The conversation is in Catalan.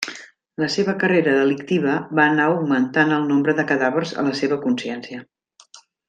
La seva carrera delictiva va anar augmentant el nombre de cadàvers a la seva consciència.